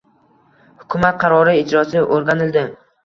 Hukumat qarori ijrosi o‘rganildi